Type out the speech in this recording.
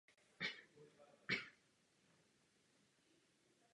Empírová stavba byla prvním průmyslovým podnikem ve Vysočanech.